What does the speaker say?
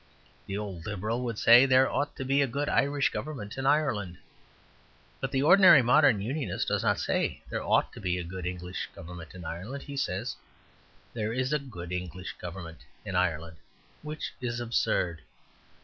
The old Liberal would say "There ought to be a good Irish government in Ireland." But the ordinary modern Unionist does not say, "There ought to be a good English government in Ireland." He says, "There is a good English government in Ireland;" which is absurd.